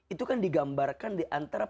itu kan digambarkan diantara